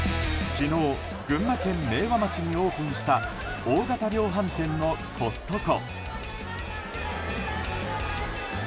昨日、群馬県明和町にオープンした大型量販店のコストコ。